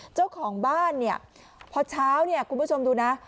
เจ้าของบ้านเนี่ยพอเช้าเนี่ยคุณผู้ชมดูนะ